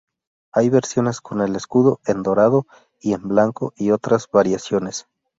Hay versiones con el escudo en dorado y en blanco y con otras variaciones.